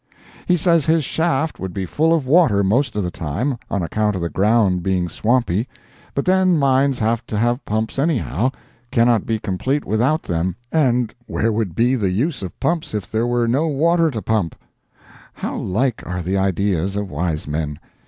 He says his shaft would be full of water most of the time, on account of the ground being swampy, but then mines have to have pumps anyhow, cannot be complete without them, and where would be the use of pumps if there were no water to pump? How like are the ideas of wise men!